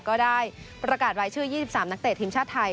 ก็ได้ประกาศไว้ชื่อยี่สิบสามนักเตะทีมชาติไทย